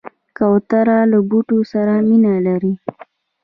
کوتره له بوټو سره مینه لري.